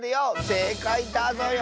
せいかいだぞよ。